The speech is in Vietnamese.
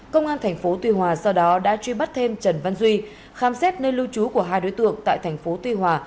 công an tp tuy hòa sau đó đã truy bắt thêm trần văn duy khám xét nơi lưu trú của hai đối tượng tại tp tuy hòa